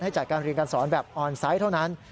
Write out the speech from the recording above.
จัดการเรียนการสอนแบบออนไซต์เท่านั้น